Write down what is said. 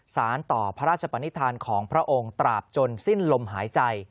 สารต่อพระราชปนิษฐานของพระองค์ตราบจนสิ้นลมหายใจ